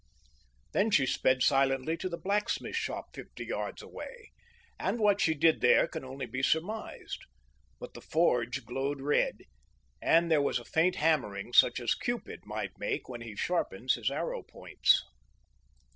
Then she sped silently to the blacksmith shop, fifty yards away; and what she did there can only be surmised. But the forge glowed red; and there was a faint hammering such as Cupid might make when he sharpens his arrow points.